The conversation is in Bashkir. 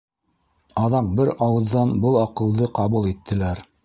Аҙаҡ бер ауыҙҙан был аҡылды ҡабул иттеләр.